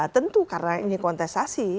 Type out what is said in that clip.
tentu karena ini kontestasi